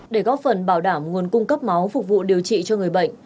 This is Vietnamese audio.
để góp phần bảo đảm nguồn cung cấp máu phục vụ điều trị cho người bệnh